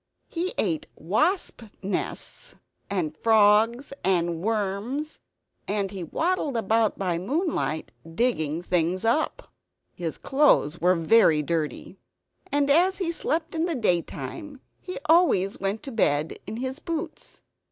He ate wasp nests and frogs and worms; and he waddled about by moonlight, digging things up. His clothes were very dirty; and as he slept in the daytime, he always went to bed in his boots.